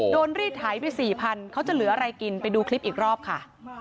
โดนรีดไถไป๔๐๐๐เขาจะเหลืออะไรกินไปดูคลิปอีกรอบค่ะ